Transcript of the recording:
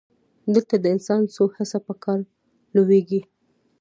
دلته د انسان څو حسه په کار لویږي.